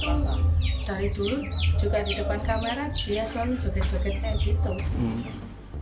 dia selalu joget joget kayak gitu